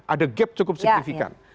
ada gap cukup signifikan